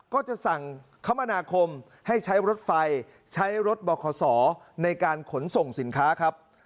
ก็จะสั่งคมนาคมให้ใช้รถไฟใช้รถบขในการขนส่งสินค้าครับ